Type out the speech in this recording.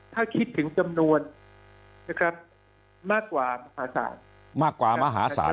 ถ้าคิดถึงจำนวนมากกว่ามหาศาล